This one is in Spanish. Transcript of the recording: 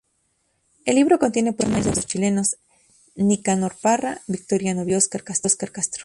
El libro contiene poemas de los chilenos Nicanor Parra, Victoriano Vicario y Óscar Castro.